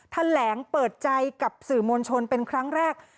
แถลงเปิดใจกับสื่อมวลชนเป็นครั้งแรก